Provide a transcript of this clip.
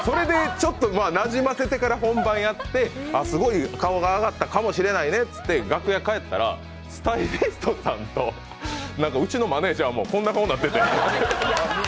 本番やって、ああ、すごい顔が上がったかもしれないねって楽屋に帰ったら、スタイリストさんとうちのマネージャーもこんな顔になってて。